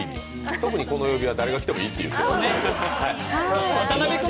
特にこの曜日は誰が来てもいい曜日で。